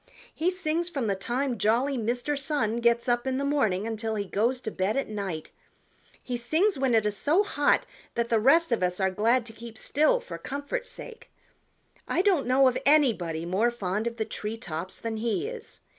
He sings from the time jolly Mr. Sun gets up in the morning until he goes to bed at night. He sings when it is so hot that the rest of us are glad to keep still for comfort's sake. I don't know of anybody more fond of the tree tops than he is.